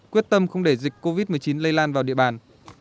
quyết tâm không để dịch covid một mươi chín lây lan vào địa bàn